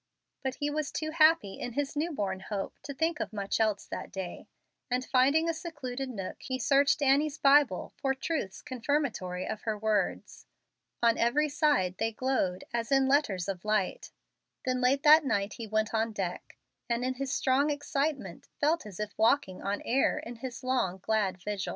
But he was too happy in his new born hope to think of much else that day; and, finding a secluded nook, he searched Annie's Bible for truths confirmatory of her words. On every side they glowed as in letters of light. Then late that night he went on deck, and in his strong excitement felt as if walking on air in his long, glad vigil.